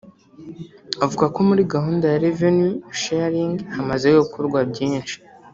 avuga ko muri gahunda ya ‘Revenue sharing’ hamaze gukorwa byinshi